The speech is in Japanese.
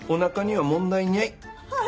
はい？